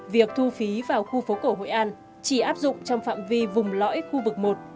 việc thu phí vào khu phố cổ hội an chỉ áp dụng trong phạm vi vùng lõi khu vực một